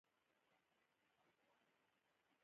د کاپیسا غنم په شنو درو کې دي.